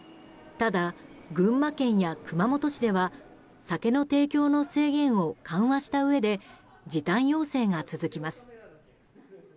ただ、群馬県や熊本市では酒の提供の制限を緩和したうえで時短要請が続きます。